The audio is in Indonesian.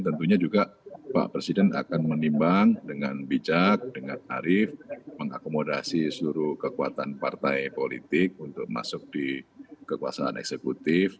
tentunya juga pak presiden akan menimbang dengan bijak dengan arif mengakomodasi seluruh kekuatan partai politik untuk masuk di kekuasaan eksekutif